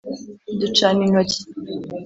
ducana intoki